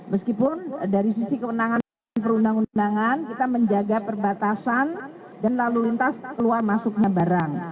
meskipun dari sisi kewenangan perundang undangan kita menjaga perbatasan dan lalu lintas keluar masuknya barang